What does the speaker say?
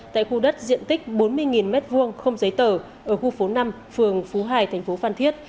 tại khu đất diện tích bốn mươi m hai không giấy tờ ở khu phố năm phường phú hải thành phố phan thiết